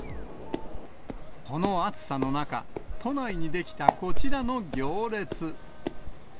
この暑さの中、都内に出来たこちらの行列。